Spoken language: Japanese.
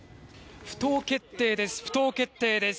不当決定です。